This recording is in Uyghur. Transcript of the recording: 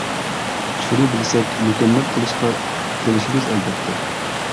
شۇنى بىلسەك مۇكەممەل قىلىشقا تىرىشىمىز ئەلۋەتتە.